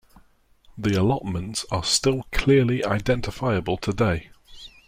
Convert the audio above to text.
The allotments are still clearly identifiable today.